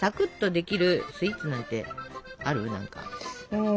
うん。